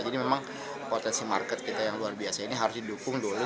jadi memang potensi market kita yang luar biasa ini harus didukung dulu